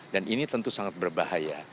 dan ini tentu sangat berbahaya